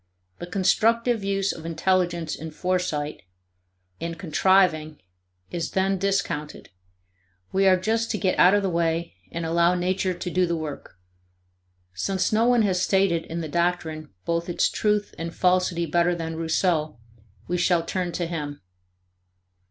The constructive use of intelligence in foresight, and contriving, is then discounted; we are just to get out of the way and allow nature to do the work. Since no one has stated in the doctrine both its truth and falsity better than Rousseau, we shall turn to him.